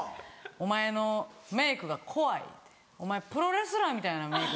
「お前のメイクが怖いお前プロレスラーみたいなメイク。